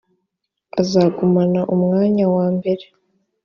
azagumana umwanya wa mbere,